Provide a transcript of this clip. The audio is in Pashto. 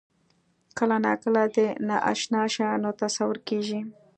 کله ناکله د نااشنا شیانو تصور کېږي.